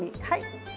はい。